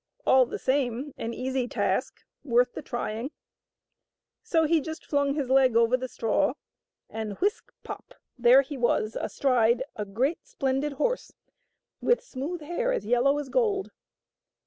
All the same, an easy task is worth the trying ;" so he just flung his leg over the straw and — whisk ! pop !— there he was, astride of a great splendid horse with smooth hair as yellow as gold.